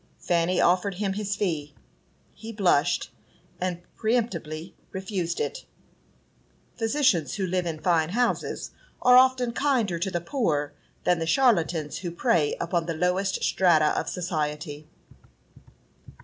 Fanny offered him his fee; he blushed, and peremptorily refused it. Physicians who live in fine houses are often kinder to the poor than the charlatans who prey upon the lowest strata of society.